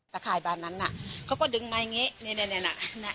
สะขายบ้านนั้นน่ะเขาก็ดึงมาอย่างเงี้ยเนี้ยเนี้ยเนี้ยน่ะน่ะ